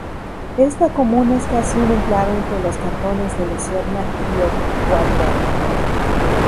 Esta comuna es casi un enclave entre los cantones de Lucerna y Obwalden.